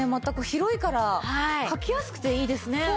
全く広いから書きやすくていいですね。